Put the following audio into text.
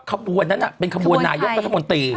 ขบวนนั้นน่ะเป็นขบวนนายกประธรรมตรี